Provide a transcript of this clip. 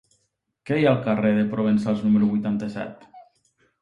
Què hi ha al carrer de Provençals número vuitanta-set?